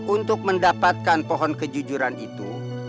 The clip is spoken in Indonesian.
untuk mendapatkan pohon kejujuran itu